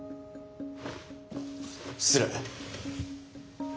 失礼。